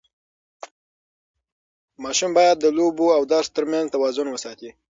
ماشوم باید د لوبو او درس ترمنځ توازن وساتي.